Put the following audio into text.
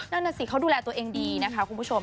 นั่นน่ะสิเขาดูแลตัวเองดีนะคะคุณผู้ชม